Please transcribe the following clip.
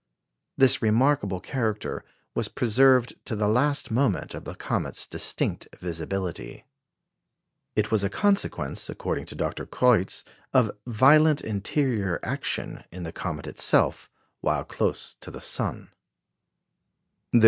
" This remarkable character was preserved to the last moment of the comet's distinct visibility. It was a consequence, according to Dr. Kreutz, of violent interior action in the comet itself While close to the sun.